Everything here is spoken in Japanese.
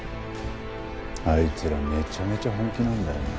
あいつらめちゃめちゃ本気なんだよな。